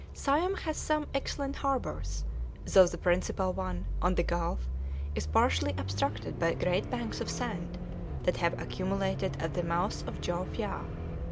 Siam has some excellent harbors, though the principal one, on the gulf, is partially obstructed by great banks of sand that have accumulated at the mouth of the Chow Phya.